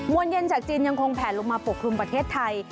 วนเย็นจากจีนยังคงแผลลงมาปกครุมประเทศไทย